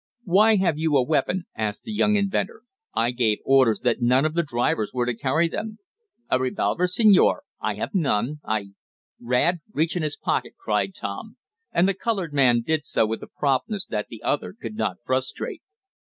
"Why have you a weapon?" asked the young inventor. "I gave orders that none of the drivers were to carry them." "A revolver, senor? I have none! I " "Rad, reach in his pocket!" cried Tom, and the colored man did so with a promptness that the other could not frustrate.